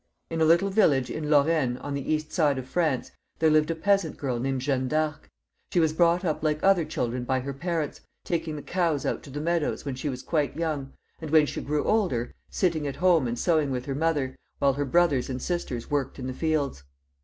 In a little village in Lorraine, on the east side of France, there lived a peasant girl named Jeanne D'Arc. She was brought up like other children by her parents, taking the cows out to the meadows when she was quite young, and when she grew older, sitting at home and sewing with her mother, while her brothers and sisters worked in the fields.